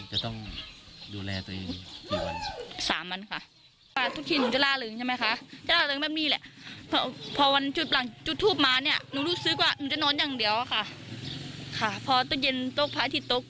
หนูจะนอนอย่างเดียวค่ะพอต้นเย็นตกพระอาทิตย์ตก